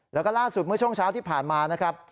แล้วก็ล่าสุดเมื่อช่วงเช้าที่ผ่านมานะครับ